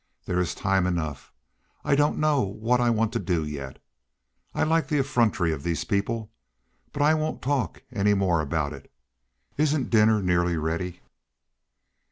"There's time enough. I don't know what I want to do yet. I like the effrontery of these people! But I won't talk any more about it; isn't dinner nearly ready?"